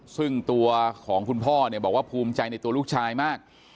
ซึ่งตัวของคุณพ่อเนี่ยบอกว่าภูมิใจในตัวลูกชายมาก